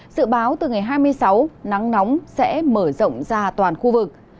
dự báo từ ngày hai mươi sáu nắng nóng sẽ mở rộng ra toàn khu vực